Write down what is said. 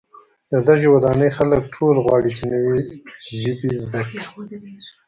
د دغي ودانۍ خلک ټول غواړي چي نوې ژبې زده کړي.